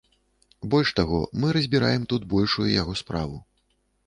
Больш таго, мы разбіраем тут большую яго справу.